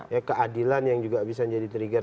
ya keadilan yang juga bisa jadi trigger